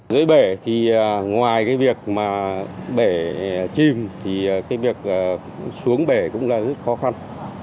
dưới bể thì ngoài cái việc mà để chìm thì cái việc xuống bể cũng là rất khó khăn